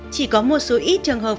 chỉ có một số ít trường hợp